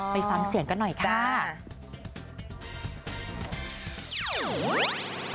ไปฟังเสียงกันหน่อยค่ะจ๊ะอ๋อจ๊ะ